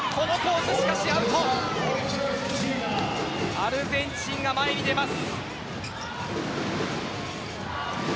アルゼンチンが前に出ます。